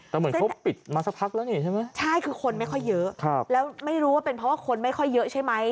แต่เหมือนเค้าปิดมาสักพักแล้วไงใช่ไหม